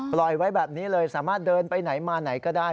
ปล่อยไว้แบบนี้เลยสามารถเดินไปไหนมาไหนก็ได้